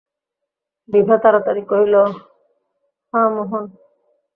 বিভা তাড়াতাড়ি কহিল, হাঁ, মোহন।